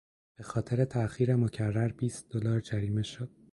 به خاطر تاخیر مکرر بیست دلار جریمه شد.